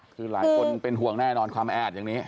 คือหลายคนเป็นห่วงแน่นอนความแออัดอย่างนี้